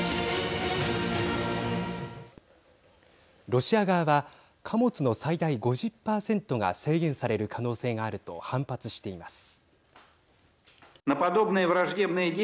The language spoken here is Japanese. ロシア側は貨物の最大５０％が制限される可能性があると反発しています。